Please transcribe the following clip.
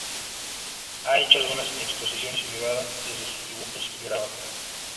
Ha hecho algunas exposiciones privadas de sus dibujos y grabados.